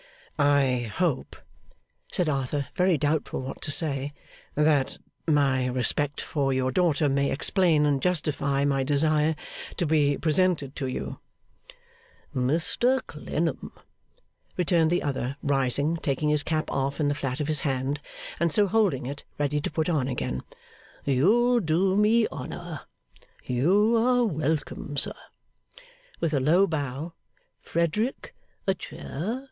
'I hope,' said Arthur, very doubtful what to say, 'that my respect for your daughter may explain and justify my desire to be presented to you, sir.' 'Mr Clennam,' returned the other, rising, taking his cap off in the flat of his hand, and so holding it, ready to put on again, 'you do me honour. You are welcome, sir;' with a low bow. 'Frederick, a chair.